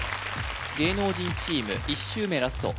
芸能人チーム１周目ラスト